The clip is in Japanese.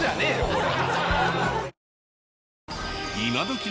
これ。